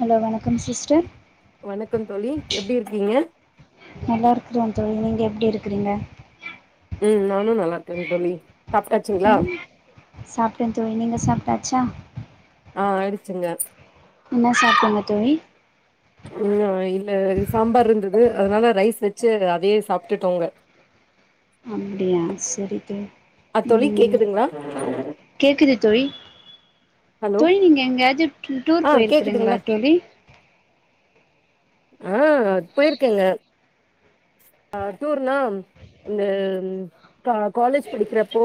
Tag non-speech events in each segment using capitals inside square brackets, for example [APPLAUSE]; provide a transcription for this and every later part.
Hello வணக்கம் sister வணக்கம் தோழி எப்படி இருக்கீங்க நல்லா இருக்குறன் தோழி நீங்க எப்படி இருக்கிறீங்க ம் நானும் நல்லா இருக்கேங்க தோழி சாப்ட்டாச்சுங்களா ம் சாப்பிட்டேன் தோழி நீங்க சாப்பிட்டாச்சா ஆ ஆயிச்சுங்க என்ன சாப்படிங்க தோழி ம் இல்ல சாம்பார் இருந்தது அதனால ரைஸ் வச்சு அதையே சாப்பிட்டுட்டோங்க அப்படியா சரிங்க அ தோழி ம் கேக்குதுங்களா கேக்குது தோழி ஹலோ தோழி நீங்க எங்கேயாவது டூர் ஆ போயிருக்கிறீங்களா கேக்குதுங்களா தோழி ஆ அது போயிருக்கேங்க ஆ டூர்னா இந்த காலேஜ் படிக்கிறப்போ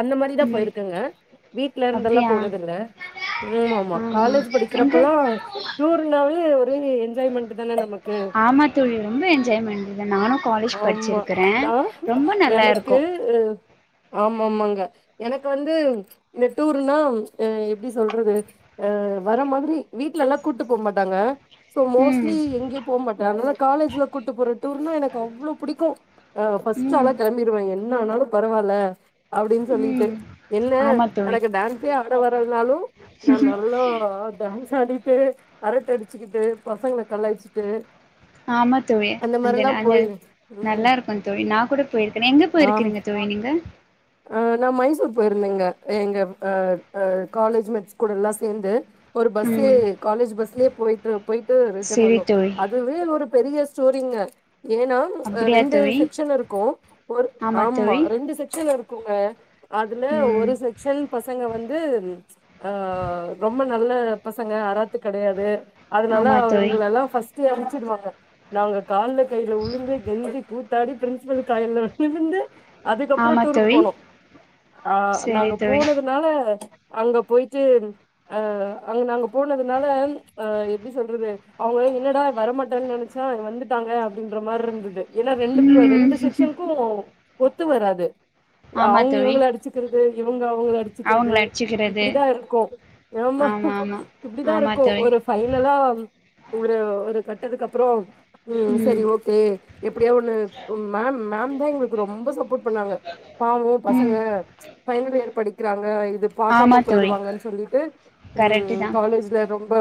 அந்த மாதிரிதான் ம் போயிருக்கங்க வீட்ல இருந்துல்லாம் அப்படியா போனது இல்ல ஆமா ஆமா ஆஹா காலேஜ் படிக்கறப்ப எங்க எல்லாம் டூர்னாலே ஓரே என்ஜாய்மெண்ட் தானே நமக்கு ஆமா தோழி ரொம்ப என்ஜாய்மெண்ட நானும் கலேஜ் ஆமா படிச்சிருக்கிறேன் ரொம்ப நல்லாருக்கும் ம் ஆமா ஆமாங்க எனக்கு வந்து இந்த டூர்னா அ எப்படி சொல்றது ஆ வர மாதிரி வீட்லல்லா கூட்டு போகு மாட்டாங்க சோ ம் மோஸ்ட்லி எங்யு போ மாட்டாங்க காலேஜ்ல கூட்டு போற டூர்னா எனக்கு அவ்ளோ புடிக்கு அ ஃபஸ்ட்டு ம் ஆளா கெளம்பிடுவ என்ன ஆனாலு பரவால்ல அப்புடின் சொல்லிட்டு ம் என்ன ஆமாம் தோழி எனக்கு டான்ஸே ஆட வராதுனாலு நான் நல்லா டான்ஸ் ஆடிட்டு அரட்ட அடிச்சுகிட்டு பசங்ள களாய்ச்சிட்டு ஆமா தோழி அங்க நாங்க போயிரு ம். நல்லா இருக்கு தோழி நான் கூட போயிருக்கேன் எங்க ஆம். போயிருக்குறீங்க தோழி நீங்க அ நான் மைசூர் போயிருந்தேங்க எங்க அ அ காலேஜ்மெட்ஸ் கூடல்லா சேந்து ஒரு பஸ்ஸு ம் காலேஜ் பஸ்லே போய்ட்டு போய்ட்டு ரிட்டன் சரி வந்தோ தோழி அ துவே என்னோட பெரிய ஸ்டோரிங்க ஏனா ம் அ அப்படியா ரெண்டு தோழி செக்ஷன் இருக்கு ஒரு ஆமா ரெண்டு செக்ஷன் இருக்குங்க அதுல ம் ஒரு செக்ஷன் பசங்க வந்து ஆ ரொம்ப நல்ல பசங்க அராத்து கெடையாது அதுனால ஆமா தோழி அவுங்களலா ஃபஸ் ட்டு அம்ச்சிடுவாங்க நாங்க கால்ல கைல உழுந்து கெஞ்சி கூத்தாடி பிரின்சிபிலு கால்ல விழுந்து அதுக்கப்புறோ ஆமா டூருக்கு தோழி போனோ ஆ சரி நாங்க தோழி போனது னால அங்க போய்ட்டு அ அங்க நாங்க போனதுனால அ எப்டி சொல்றது அவ்ங்குளா என்னடா வரமாட்டாங் நெனைச் சோ வந்துட்டாங்க அப்டின்ற மார்ருந்தது ஏனா ரெண்டுப்ப ம் ரெண்டு செக்ஷனுக்கு ஒத்து வராது ஆமா அவ்ங்க தோழி இவுங்குள அடிச்சுக்கிறது இவுங்க அவுங்குள அடிச்சுக்கிறது அவங்கள அடிச்சுக்கிறது இப்டிதா இருக்கு ஆமா இப்டிதா ஆமா இருக்கு தோழி ஒரு ஃபைனலா ஒரு ஒருகட்டதுக்கு அப்புறோ ம் சரி ஓ கே எப்டியோ ஒன்னு ம் மேம் மேம்தா எங்ளுக்கு ரொம்ப சப்போட் பண்ணாங்க பாவோ பசங்க ம் ஃபைனல் இயர் படிக்குறாங்க இது ஆமா பாக்காம தோழி போய்டுவாங்கன் சொல்லிட்டு கரெக்ட்டு ம் தா காலேஜ்ல ரொம்ப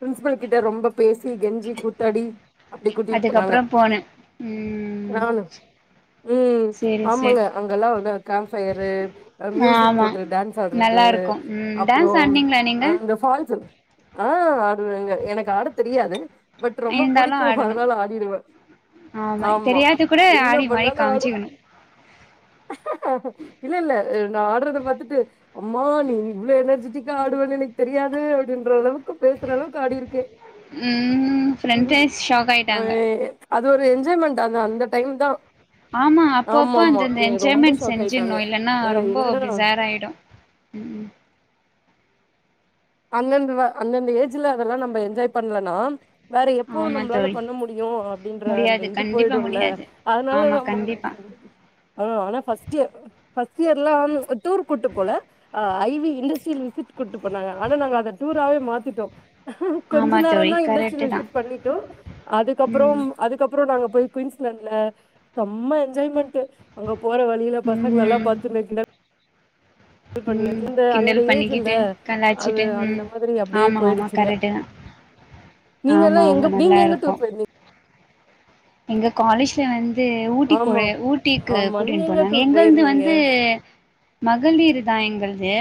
பிரின்ஸ்பல் கிட்ட ரொம்ப பேசி கெஞ்சி கூத்தாடி அப்டி கூட்டிட்டு போனாங்க அதுக்கப்புறோ போனே ம் நானு ம் சரி சரி ஆமாங்க அங்கெல்லா வந்து அந்த கேம் ஃபயரு அப்புறோ மியூசிக் ஆமா போட்டு டான்ஸ் ஆட்றது நல்லா இருக்கு ம் அப்புறோ டான்ஸ் ஆடுனீங்களா நீங்க அந்த ஃபால்ஸு ஆ ஆடுவேங்க எனக்கு ஆட தெரியாது பட் ரொம்ப இருந்தாலு புடிக்கு ஆடணு அதுனால ஆடிடுவ ஆமா தெரியாது கூட என்ன ஆடி மாடி பண்ணாலு ஆடு காமிச்சிக்கணு இல்ல இல்ல நான் ஆட்றத பாத்துட்டு அம்மா நீ இவ்ளோ எனர்ஜிட்டிக்கா ஆடுவேன் எனக்கு தெரியாது அப்டின்ற அளவுக்கு பேசுற அளவுக்கு ஆடிருக்கே ம் ம் ஃபிரெண்டே ஷாக் அ ஆய்ட்டாங்க அது ஒரு என்ஜாய்மெண்ட் அது அந்த டைம்தா ஆமா அப்பப்போ அந்தந்த ரொம்ப என்ஜாய்மெண்ட் ஷாக் செஞ்சிட்ணு ஆயிட்டாங்க. இல்லனா அ ரொம்போ என்னடா மிசா சாய்டு ம் அந்தந்த வ அந்தந்த ஏஜ்ல அதெல்லா நம்ம என்ஜாய் பண்லனா வேற எப்போ ஆமா நம்ளால தோழி பண்ண முடியு அப்டின்ற அந்த முடியாது இது கண்டிப்பா போய்டுல முடியாது ஆமா அதுனாலதா கண்டிப்பா ஆ ஆனா ஃபஸ்ட்டு ஃபஸ்ட் இயர்லாம் டூர் கூட்டு போல ஆ ஐ வி இண்டஸ்ட்ரியல் விசிட் கூட்டு போனாங்க ஆனா நாங்க அத டூராவே மாத்திட்டோ கொஞ்ச ஆமா தோழி நேரந்தா கரெக்ட்டு இண்டஸ்ட்ரியல் தா விசிட் பண்ணிட்டோ ம் அதுக்கப்புறோம் அதுக்கப்புறோ நாங்க போய் குய்ன்ஸ்லாண்ட்ல சம்ம என்ஜாய்மண்ட் அங்க போற வழில பசங்லல்லா ம் பாத்துன்னு உம் இந்த அந்த கிண்டல் ஏஜ்ல பண்ணிக்கிட்டு அது கலாச்சுட்டு அந்த உம் மாதிரி அப்டியே ஆமா ஆமா போயிடுச்சுங்க கரெட்டு தா நீங்க ஆமா எல்லா ஆமா எங்க நல்லா நீங்க எங்க இருக்கு டூர் போயிருந்தீங்க எங்க காலேஜ்ல வந்து ஆமா ஊட்டிகொரு ஊட்டிக்கு ஆமா நீங்க கூட்டின் எங்க போனாங்க டூர் எங்கந்து போயிருந்தீங்க வந்து மகளீர் தா எங்ள்து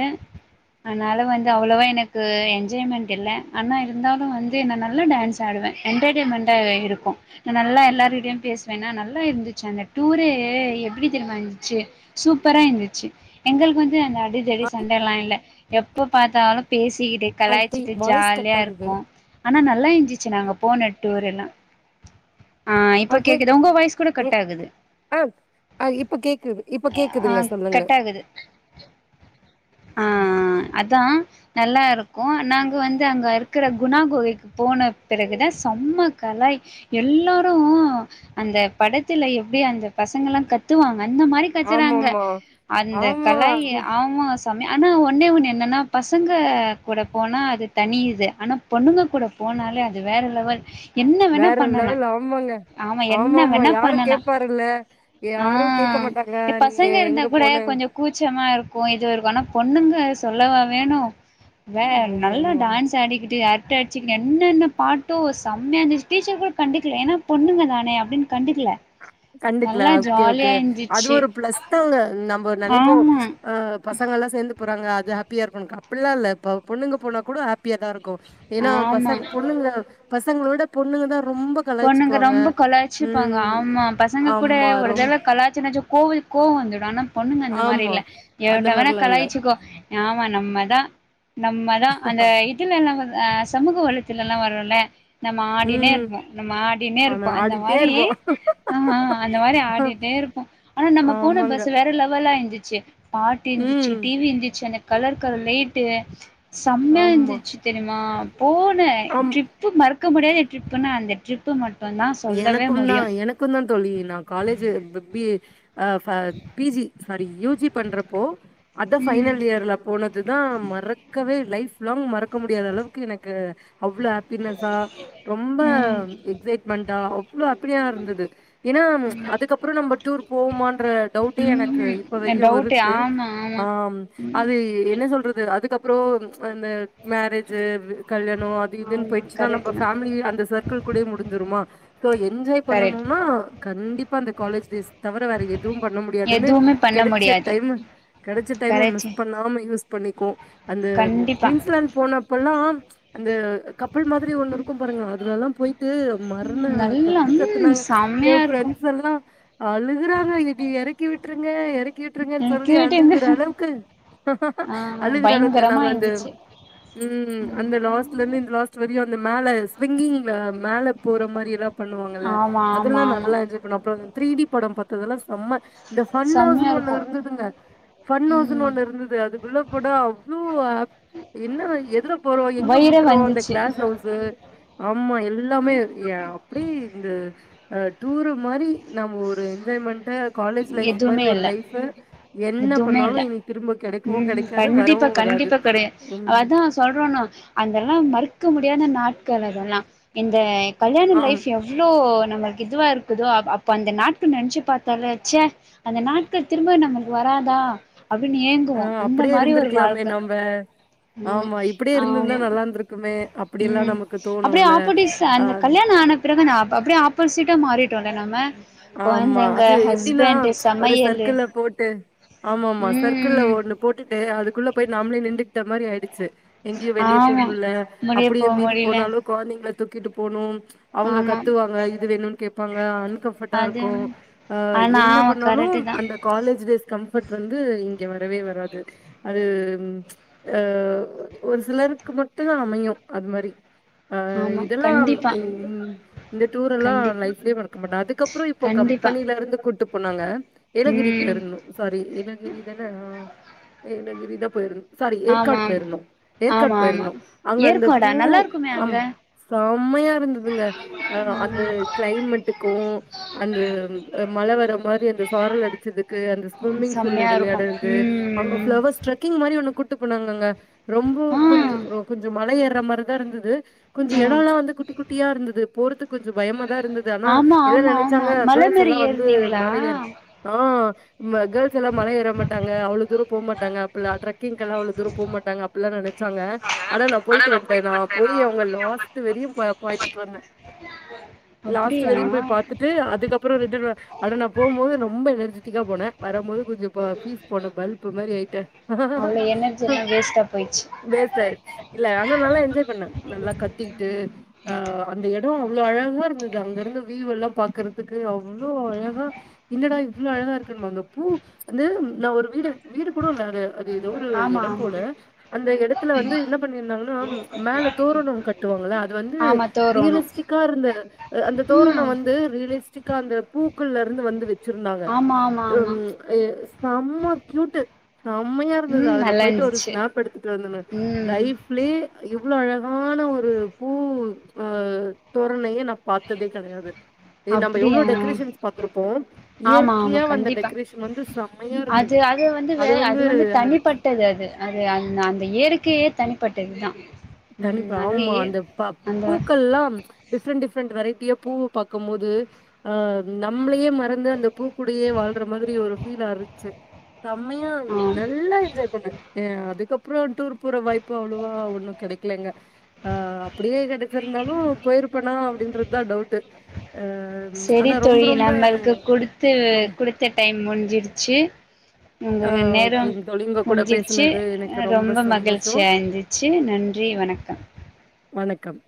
அதனால வந்து அவ்ளோவா எனக்கு என்ஜாய்மெண்ட் இல்ல ஆனா இருந்தாலு வந்து நா நல்லா டான்ஸ் ஆடுவே என்டர்டெய்மெண்டா இருக்கு நா நல்லா எல்லாரடையு பேசுவேன்னா நல்லா இருந்துச்சு அந்த டூரு எப்டி தெரியுமா இந்துச்சு சூப்பரா இர்ந்துச்சு எங்களுக்கு வந்து அந்த அடி தடி சண்ட ல்லா இல்ல எப்ப பாத்தாலு பேசிக்கிட்டு ஆ தி கலாய்ச்சுட்டு வாய்ஸ் கட் ஜாலியா ஆகுது ருக்கு ஆனா நல்லா இருந்துச்சு நாங்க போன டூரு ஒகே உங்க வாய்ஸ் கூட உ கட் ஆகுது அ அ இப்ப கேக்குது இப்ப கேக்குதுங்க சொல்லுங கட்டாகுது ஆஆ அதா நல்லா ருக்கு நாங்க வந்து அங்க இருக்குற குணா கொகெக்கு போன பெறகுதா செம்ம கலாய் எல்லாரு அந்த படத்துல எப்டி அந்த பசங்கல்லா கத்துவாங்க அந்த மாரி கச்சறாங்க ஆமாமா அந்த ஆமா அது கலாய ஆமா ச ஆனா ஒன்னே ஒண்ணு என்னன்னா பசங்க கூட போனா அது தனியிது ஆனா பொண்ணுங்க கூட போனாலே அது வேற லெவல் என்ன வேணா வேற பண்ணலா லெவல் ஆமாங்க ஆமா என்ன ஆமாமா வேண யாரு பண்ணலா கேப்பாருல்ல ஆ யாரு கேக்க மாட்டாங்க இ நீ பசங்க இருந்தா எங்க கூட போன கொஞ்ச கூச்சமா இருக்கு இது இருக்கு ஆனா பொண்ணுங்க சொல்லவா வேணு வே நல்லா ஆமாமா டான்ஸ் ஆடிக்கிட்டு அ ச்சு என்னென்ன பாட்டோ செம்மயா இருந்துச்சு டீச்சர் கூட கண்டுக்கல ஏன்னா பொண்ணுங்க தானே அப்டின்னு கண்டுக்கல கண்டுக்கல நல்லா ஓகே ஓகே ஜாலியா அது இருந்துச்சு ஒரு பிளஸ் தாங்க நம்ம நெனப்போ ஆமா ஆ பசங்க எல்லா சேந்து போறாங்க அது ஹாப்பியா ர்க்கு அப்டில்லா இல்ல இப்ப பொண்ணுங்க போனா கூட ஹாப்பியாதா ருக்கு ஏன்னா ஆமா பசங்க பொண்ணுங்க பசங்களவிட பொண்ணுங்க தா ரொம்ப பொண்ணுங்க கலாய்ச்சுக்குவாங்க ரொம்ப கொலாச்சுப்பாங்க ம் ஆமா பஸ் பசங்க கூட ஆமா ஒரு ரொம் தடவ கலாச்ச னாச்சு கோவில் கோவ வந்துடு ஆனா பொண்ணுங்க அந்த மாரி ஆமா இல்ல எவ்ள அந்த வேணா மாரிலா இல்ல கலாச்சுக்கோ ஆமா நம்மதா நம்மதா அந்த இதுல எல்லா அ சமூக வளத்துல ல்லா வருல்ல நம்ம ஆடினே ம் ர்ப்போ நம்ம ஆனா ஆடினேர்ப்போ அந்த ஆடிட்டே மாரி இருப்போ ஆஹ் அந்த மாரி ஆடிட்டே ருப்போ ஆனா நம்ம போன ஆமாங்க பஸ் வேற லெவல்லா இருந்துச்சு பாட்டு இந்துச்சு ம் டிவி இந்துச்சு அந்த கலர் கலர் லைட்டு செம்மையா ஆமா இந்துச்சு தெரிமா போன ஆமா ட்ரிப்பு மறக்க முடியாத ட்ரிப்புன்னா அந்த ட்ரிப்பு மட் இப்போ த சொல்லவே முடியு இருக்குந்தா தோழி நா college B B A a PG sorry UG பண்றப்போ அதா ம் ஃபைனல் இயர்ல போனதுதா மறக்கவே இல்ல லாங் மறக்க முடியாத அளவுக்கு எனக்கு அவ்ளோ ஹாப்பினஸா ரொம்ப ம் எக்ஜெட் பண்டா அவ்ளவ் அப்படியா இருந்தது ஏன்னா அதுக்கப்றோ நம்ம டூர் போவமான்ற டவுட்டே எனக்கு இப்ப ம்ஹூம் வரியு ஆமா ஒரு டவுட்டு ஆமா ட்டெ ஆ அது என்ன சொல்றது அதுக்கப்றோ அந்த மேரேஜ்ஜு கல்யாணோ அது இதுன்னு ஆமா போயிடுச்சுன்னா நம்ம கரெக்ட்டு தா பேமிலி அந்த சர்க்குள் குள்ளே முடிஞ்சுருமா சோ என்ஜாய் கரெக்ட் பண்ணனுனா கண்டிப்பா அந்த காலேஜ் டேஸ் தவிர வேற எதுவு பண்ண முடியாதுன்னு எதுவுமே பண்ண கெடைச்ச முடியாது டைம் கெடைச்ச டைம்ம மிஸ் கரெக்ட்டு பண்ணாம யூஸ் பண்ணிக்குவோ அந்த கண்டிப்பா குயின்ஸ்லேண்ட் போனப்பல்லா அந்த கப்பல் மாரி ஒண்ணு இருக்கு பாருங்க அதுலல்லா போயிட்டு மரண நல்லா கத்து ம் கத்துனாங்க ஏ செம்மையா இருக்கு ஃபிரெண்ட்ஸ் எல்லா அழுகுறாங்க இத இப்டி எறக்கி விட்டுருங்க எறக் கி விட்டுருங்கன்னு சொல்லி எனக்கு எங்க அழுகுற அளவுக்கு ஆ அழுகுற அளவுக்கு பயங்கரமா நாங்க வந்து இருந்துச்சு ம் அந்த லாஸ்ட்ல இருந்து இந்த லாஸ்ட் வரையு அந்த மேல ஸ்விங்கிங்ல மேல போற மாரி எல்லா பண்ணுவாங்கல்ல ஆமா ஆமா அதெல்லா ஆமா நல்லா இருக் போன அப்ப த்ரீ டி படம் பாத்ததெல்லா செம்ம இந்த பன் செம்மையா ஹவுஸ்ன்னு ஒண்ணு இருக்கு இருந்ததுங்க பன் ஹவுஸ்ன்னு ம் ஒண்ணு இருந்தது அதுக்குள்ள போனா அவ்ளோ ஹாப் என்ன எதுல போறோ எங்க வயிறே முட்டுறோ அந்த வந்துச்சு கிளஸ் ஹவுஸ் ஆமா எல் லாமே அப்டி இந்த ஆ டூரு மாரி நம் ஒரு என்ஜாய்மெண்ட்டா காலேஜ் லைஃப் மாரி எதுவுமே ஒரு இல்ல லைஃப் என்ன எதுவுமே இல்ல பண்ணாலு இனி திரும்ப கெடைக்கவு ம் கெடைக்காது கண்டிப்பா வரவு கண்டிப்பா கெடையாது அதா சொல்றோனோ அதெல்லா மறுக்க முடியாத நாட்கள் அதெல்லா இந்த கல்யாண ஆம். லைஃப் எவ் ளோ நமக்கு இதுவா இருக்குதோ அப்ப அந்த நாட்கள் நெனச்சி பாத்தாலே சே அந்த நாட்கள் திரும்ப நம்ளுக்கு வராதா அப்டின் ஏங்குவோ அந்த மாரி ஒரு வாழ்க்க வ ஆமா ஆமா இருக்குமே அப் ம் அப்டியே ஆப்போட்டிக்ஸ் அந்த கல்யாணோ ஆன அப்பறந்தா நா அப்டியே ஆப்போசிட்டா மாறிட்டோல்ல நம்ம ஆமா கொழந்தைங்க அது எப்டின்னா ஹஸ்பண்டு ஒரு சமையலு சர்க்கிள்ள போட்டு ஆமா ஆமா சர்க்கிள்ள ம் ஒண்ணு போட்டுட்டு அதுக்குள்ள போய் நாம்ளே நிண்டுக்கிட்ட மாரி ஆயிடுச்சி எங்கயு வெளிய போ ஆமா முடில முடிய போ அப்டியே மீறி முடில போனாலு கொழந்தைங்கள தூக்கிட்டு போனு அவங்க ஆமா கத்துவாங்க இது வேணுன்னு கேப்பாங்க அன்கம் பர்ட்டபிள்லா அது இருக்கு ஆ ஆனா என்ன ஆமா பண்ணாலு கரெக்ட்டு தா அந்த காலேஜ் டேஸ் கம்ஃபர்ட் வந்து இங்க வரவே வராது அது ஆ ஒரு சிலருக்கு மட்டுந்தா அமையு அது மாரி ஆ ஆமா இதெல்லா கண்டிப்பா இந்த டூர் எல்லா கண்டிப்பா லைஃப்லயே மறக்க மாட்டே அதுக்கப் ப கண்டிப்பா கம்பெனியில இருந்து கூட்டு போனாங்க ஏலகிரி ம் போயிருந்தோ சாரி ஏலகிரி தான ஆ ஏலகிரி தா போயிருந் சாரி ஆமா ஏற்காடு போயிருந்தோ ஏற்காடு ஆமா ஆமா ஆமா போயிருந்தோ அங்க அந்த ஏற்காடா பூ நல்லா இருக்குமே அங்க அம் செம்மையா இருந்ததுங்க ஆ அந்த கிளைமேட்டுக்கு அந் த மழ வர்ற மாரி அந்த சாரல் அடிச்சதுக்கு அந்த ம் ஸ்விம்மிங் பூல்ல செம்மையா விளையாடுறது இருக்கு அங்க ம் ஃப்ளவர் ஸ்ட்ரக்கிங் மாரி ஒண்ணு கூட்டு போனாங்கங்க ரொம்ப ஆ கொஞ்சோ கொஞ்சோ மழ ஏர்ற மாரிதா இருந்தது கொஞ்சோ ஆ இடல்லா வந்து குட்டி குட்டியா இருந்தது போறதுக்கு கொஞ்சோ பயமாதா இருந்தது ஆனா ஆமா எல்லா ஆமா நெனைச் ஆமா சாங்க மல கேர்ள்ஸ் மேரி எல்லா வந்து ஏறுனீங்களா மலை ஏற ஆ கேர்ள்ஸ் எல்லா மலை ஏற மாட்டங்க அவ்ளோ துரோ போ மாட்டாங்க ட்ரக்கி்ங்கெல்லா அவ்ளோ தூரோ போ மாட்டாங்க அப்டில்லா நெனைச்சாங்க ஆனா நா போயிட்டு வண்ட்டே நா போய் அவங்க லாஸ்ட் வரையு பாய்த்துட்டு வந்தே லாஸ்ட் அப்டியா வரையு போய் பாத் பாத்துட்டு அதுக்கப்பறோ ரிட்டர்ன் ஆனா நா போம்போது ரொம்ப எனர்ஜெிட்டிக்கா போனே வரம் போது கொஞ்சோ பீஸ் போன பல்ப் மாறி ஆயிட்டே அவ்ளோ எனர்ஜி எல்லா வேஸ்ட்டா போயிடுச்சு வேஸ்ட்டு ஆயிட்ச்சு இல்ல ஆனா நல்லா என்ஜாய் பண்ணே நல்லா கத்திக்கிட்டு அ அந்த எடொ அவ்ளொ அழகா இருந்தது அங்க இருந்து வீவ் எல்லா பாக்குறதுக்கு அவ்ளோ அழகா என்னடா இவ்ளோ அழகா இருக்குன்வாங்க பூ வந்து நா ஒரு வீடியோ வீடு கூடோ இல்ல அது அது எதோ ஒரு ஆமா எடம் ஆமா போல அந்த எடத்துல வந்து என்ன பண்ணிருந்தாங்கன்னா மேல தோரணொ கட்டுவாங்கள அது வந்து ஆமா தோரணு ரியலெஸ்டிக்கா இருந்த அந்த தோரணொ ம் வந்து ரியலெஸ்டிக்கா அந்த பூக்கள்ல இருந்து வந்து வெச்சுருந்தாங்க ஆமா ஆமா ஆமா ஐயே செம்ம கியூட்டு் செம்மையா இருந்தது ம் அதுல நல்லா போயிட்டு ஒரு இருந்துச்சு ஸ்நாப் எடுத்துட்டு வந்தனு ம் லைஃப் ப்ளே இவ்ளோ அழகான ஒரு பூ அ தோரணைய நா பாத்ததே கெட கெடயாது ஏ நம்ப எவ்ளோ அப்டியா டெக்கரேஷன்ஸ் பாத்துருப்போ ஆமா ஆமா இயற்கையா வந்த கண்டிப்பா டெக்கரேஷன் வந்து செ அது அது வந்து வேற அது வந்து அடிச்சு தனிப்பட்ட ட்டது அது அது அந்த அந்த இயற்க்கையே தனிப்பட்டதுதா ம் கண்டிப்பா அது ஆமா ஏ அந்த ப அந்த பூக்கள்லாம் டிஃப்ரெண்ட் டிஃப்ரெண்ட் வெரைட்டியா பூ பாக்கும்போது அ நம்மளையே மறந்து அந்த பூக்கூடயே வாழ்ற மாதிரி ஒரு ஃபீலா இருத்துச்சு செம்மயா இந்தது ஆம் நல்லா என்ஜாய் பண்ணே ஏ அதுக்கப்றோ டூர் போற வாய்ப்பு அவ்ளோவா ஒன்னு கெடைக்லெங்க ஆ அப்புடியே கெடச்சிருந்தாலு போயிருப்பனா அப்டின்றது தா டவுட்டு அ அ செரி தோழி நம்மளுக்கு குடுத்து ரொம் குடுத்த டைம் முடுஞ்சிடுச்சு ஆ [UNINTELLIGIBLE] நேரம் ஓகேங்க தோழி உங்க கூட முடுச்சிருச்சு பேசுனது எனக்கு அ ரொம்ப சந்தோஷம். மகிழ்ச்சியா இருந்துச் ச்சு நன்றி வணக்கம் வணக்கம்